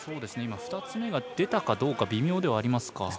２つ目が出たかどうか微妙ではありますか。